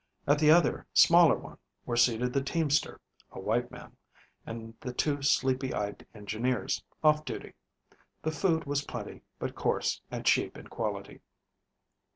At the other smaller one were seated the teamster a white man and the two sleepy eyed engineers, off duty. The food was plenty, but coarse and cheap in quality.